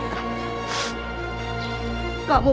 enggak jahatnya kamu nak